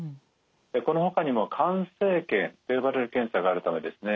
このほかにも肝生検と呼ばれる検査があるためですね。